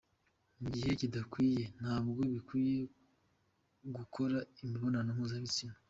Mu gihe kidakwiye ntabwo bikwiye gukora imibonano mpuzabitsina”.